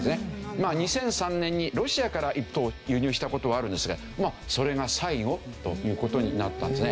まあ２００３年にロシアから１頭輸入した事はあるんですがもうそれが最後という事になったんですね。